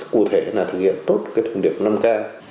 cụ thể là thực hiện tốt cái thông điệp năm k